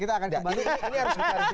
ini harus dikarifikasi